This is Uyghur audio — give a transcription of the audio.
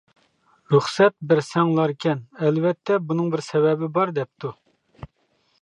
-رۇخسەت بەرسەڭلاركەن، ئەلۋەتتە بۇنىڭ بىر سەۋەبى بار، دەپتۇ.